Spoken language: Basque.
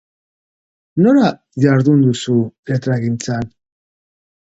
Nola jardun duzu letragintzan?